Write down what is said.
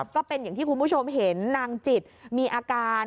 ก็เป็นอย่างที่คุณผู้ชมเห็นนางจิตมีอาการ